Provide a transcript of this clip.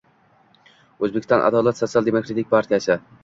O'zbekiston "Adolat" sotsial -demokratik partiyasi